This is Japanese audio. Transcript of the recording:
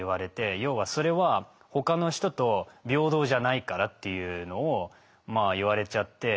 要はそれはほかの人と平等じゃないからっていうのをまあ言われちゃって。